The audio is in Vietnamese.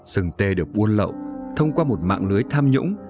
sừng tê được buôn lậu thông qua một mạng lưới tham nhũng